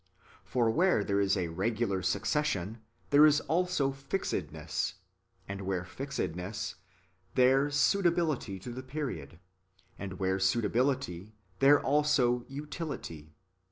For where there is a regular succession, there is also fixedness; and where fixedness, there suitability to the period ; and where suitability, there also utility.